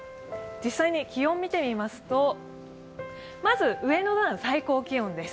実際に気温見てみますと、まず上の段、最高気温です。